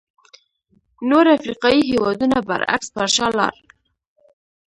نور افریقایي هېوادونه برعکس پر شا لاړل.